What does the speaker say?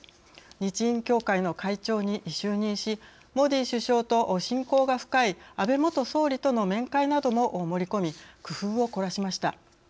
日印協会の会長に就任しモディ首相と親交が深い安倍元総理との面会なども盛り込み工夫を凝らしました。